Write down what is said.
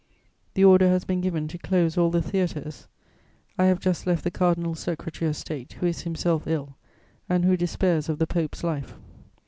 The order has been given to close all the theatres. I have just left the Cardinal Secretary of State, who is himself ill and who despairs of the Pope's life.